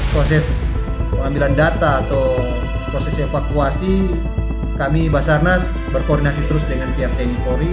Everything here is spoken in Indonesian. proses pengambilan data atau proses evakuasi kami basarnas berkoordinasi terus dengan pihak tni polri